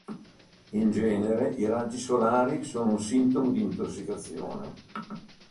In genere i raggi solari sono un sintomo di intossicazione.